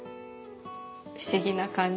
不思議な感じ。